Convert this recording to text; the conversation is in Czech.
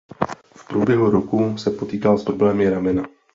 V průběhu roku se potýkala s problémy ramena.